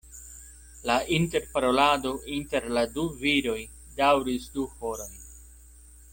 La interparolado inter la du viroj daŭris du horojn.